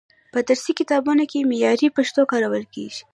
په درسي کتابونو کې معیاري پښتو کارول کیږي.